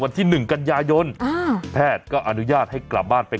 วันที่หนึ่งกันยายนอ่าแพทย์ก็อนุญาตให้กลับบ้านไป